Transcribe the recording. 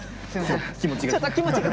気持ちが。